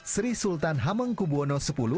sri sultan hamengkubwono x